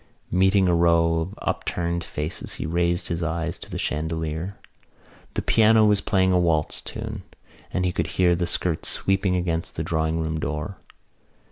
Meeting a row of upturned faces he raised his eyes to the chandelier. The piano was playing a waltz tune and he could hear the skirts sweeping against the drawing room door.